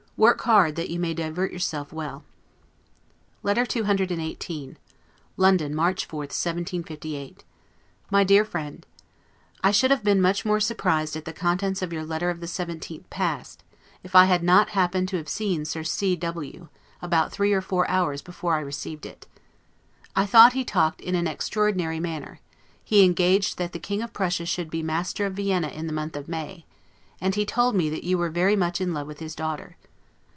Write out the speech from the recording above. Work hard, that you may divert yourself well. LETTER CCXVIII LONDON, March 4, 1758. MY DEAR FRIEND: I should have been much more surprised at the contents of your letter of the 17th past, if I had not happened to have seen Sir C. W., about three or four hours before I received it. I thought he talked in an extraordinary manner; he engaged that the King of Prussia should be master of Vienna in the month of May; and he told me that you were very much in love with his daughter.